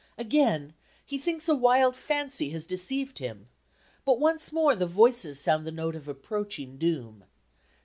Again he thinks a wild fancy has deceived him, but once more the voices sound the note of approaching doom.